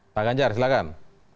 pak ganjar silahkan